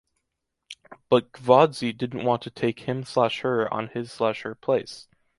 But Gvozdi didn’t want to take him/her on his/her place.